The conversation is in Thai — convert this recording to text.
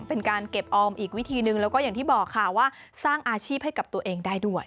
เป็นการเก็บออมอีกวิธีหนึ่งแล้วก็อย่างที่บอกค่ะว่าสร้างอาชีพให้กับตัวเองได้ด้วย